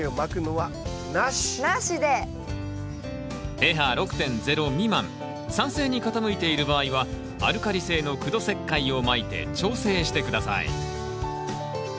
ｐＨ６．０未満酸性に傾いている場合はアルカリ性の苦土石灰をまいて調整して下さい。